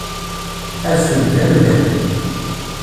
Adfel d amellal.